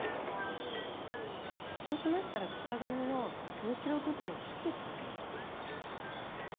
そうしましたら型紙の縫い代部分を切ってしまいます。